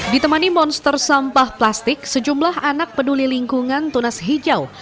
ditemani monster sampah plastik sejumlah anak peduli lingkungan tunas hijau